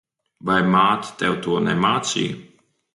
Vai māte tev to nemācīja?